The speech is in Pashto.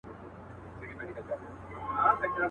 اوس به څوك رايادوي تېري خبري.